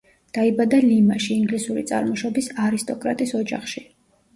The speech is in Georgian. დაიბადა ლიმაში ინგლისური წარმოშობის არისტოკრატის ოჯახში.